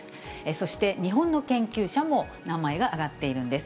そして、日本の研究者も名前が挙がっているんです。